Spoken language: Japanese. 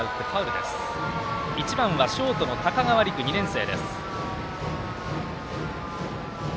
１番は、ショートの高川莉玖、２年生。